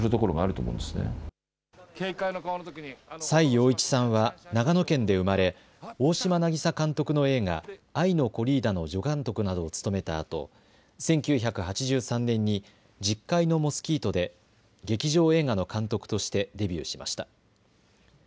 崔洋一さんは長野県で生まれ、大島渚監督の映画、愛のコリーダの助監督などを務めたあと１９８３年に十階のモスキートで劇場映画の監督としてデビューしました。